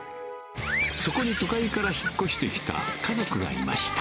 そこに都会から引っ越してきた家族がいました。